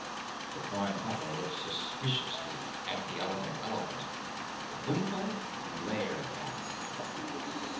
The Prime Pumper looked suspiciously at the Elegant Elephant. Kabumpo glared back.